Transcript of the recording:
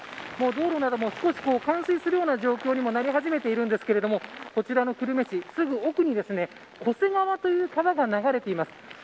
道路なども少し冠水するような状況にもなり始めているんですがこちらの久留米市すぐ奥に巨瀬川という川が流れています。